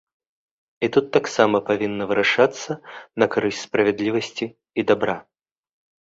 І тут таксама павінна вырашыцца на карысць справядлівасці і дабра.